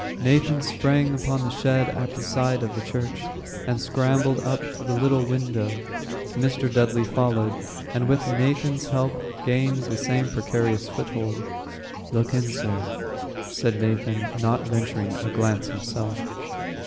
Nathan sprang upon the shed at the side of the church, and scrambled up to the little window. Mr. Dudley followed, and, with Nathan's help, gained the same precarious foothold. "Look in, Sir," said Nathan, not venturing a glance himself.